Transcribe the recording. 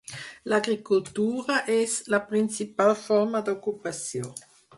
L'agricultura és la principal forma d'ocupació.